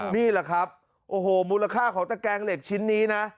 นี่แหละครับโอ้โหมูลค่าของตะแกงเหล็กชิ้นนี้นะ